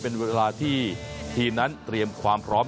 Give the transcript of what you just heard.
เป็นเวลาที่ทีมนั้นเตรียมความพร้อม